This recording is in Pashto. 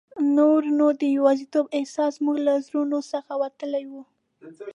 نور نو د یوازیتوب احساس زموږ له زړونو څخه وتلی وو.